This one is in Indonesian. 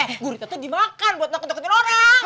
eh gurita itu dimakan buat nakutin orang